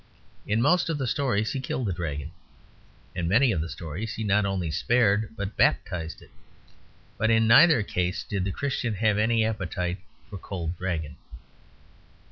In most of the stories he killed the Dragon. In many of the stories he not only spared, but baptised it. But in neither case did the Christian have any appetite for cold dragon.